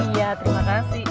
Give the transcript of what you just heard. iya terima kasih